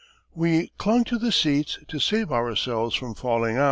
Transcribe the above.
We clung to the seats to save ourselves from falling out.